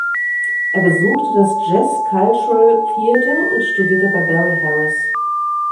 Er besuchte das "Jazz Cultural Theatre" und studierte bei Barry Harris.